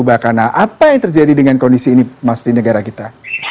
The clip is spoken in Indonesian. bahkan nah apa yang terjadi dengan kondisi ini di negara kita